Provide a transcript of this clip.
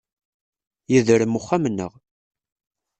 Yedrem uxxam-nneɣ.